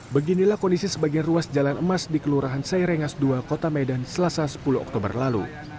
beginilah kondisi sebagian ruas jalan emas di kelurahan sairengas dua kota medan selasa sepuluh oktober lalu